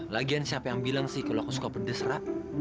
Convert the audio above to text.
lagi kan siapa yang bilang sih kalo aku suka pedes ra